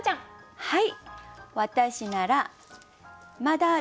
はい。